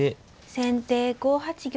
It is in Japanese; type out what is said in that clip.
先手５八玉。